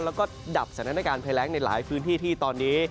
แล้วก็ดับสถานการณ์ภัยแรงในหลายพื้นที่ที่ตอนนี้